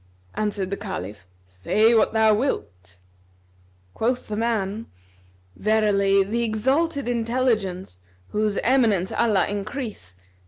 Answered the Caliph, "Say what thou wilt." Quoth the man "Verily the Exalted Intelligence (whose eminence Allah increase!)